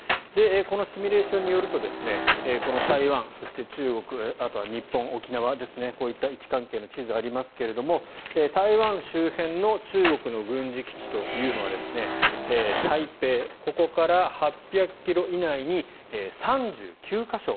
このシミュレーションによると台湾、そして中国あとは日本、沖縄ですねこういった位置関係の地図がありますが台湾周辺の中国の軍事基地というのは台北から８００ｋｍ以内に３９か所